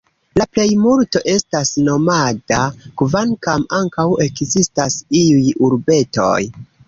La plejmulto estas nomada, kvankam ankaŭ ekzistas iuj urbetoj.